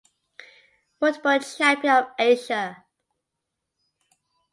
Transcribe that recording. Multiple champion of Asia.